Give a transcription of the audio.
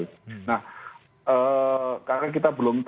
nah karena kita belum tahu sejauh mana efek omikron kemudian apakah nanti